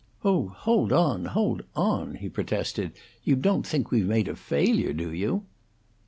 "Oh, hold on, hold on!" he protested. "You don't think we've made a failure, do you?"